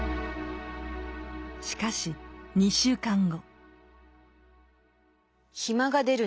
しかし２週間後。